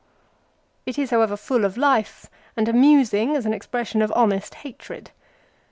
It is, however, full of life, and amusing as an expression of honest hatred.